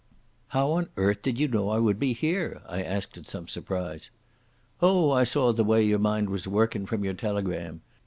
"How on earth did you know I would be here?" I asked in some surprise. "Oh, I saw the way your mind was workin' from your telegram.